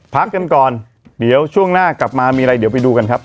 พักกันก่อนเดี๋ยวช่วงหน้ากลับมามีอะไรเดี๋ยวไปดูกันครับ